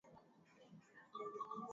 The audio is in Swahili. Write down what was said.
Mimba kutoka miongoni mwa wanyama jike